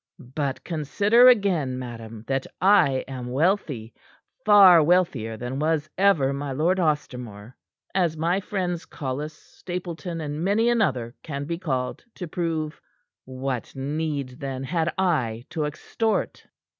"But consider again, madam, that I am wealthy far wealthier than was ever my Lord Ostermore, as my friends Collis, Stapleton and many another can be called to prove. What need, then, had I to extort?"